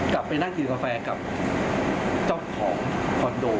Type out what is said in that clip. กลับไปนั่งกินกาแฟกับเจ้าของคอนโด